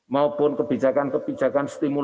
maupun kebijakan kebijakan sebagainya harus diambil